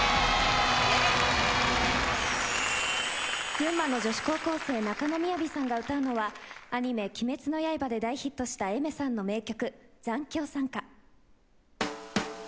群馬の女子高校生中野みやびさんが歌うのはアニメ『鬼滅の刃』で大ヒットした Ａｉｍｅｒ さんの名曲。